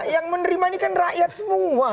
yang menerima ini kan rakyat semua